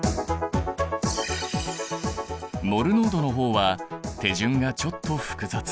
モル濃度の方は手順がちょっと複雑。